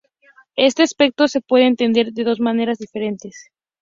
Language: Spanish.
Este aspecto se puede entender de dos maneras diferentes.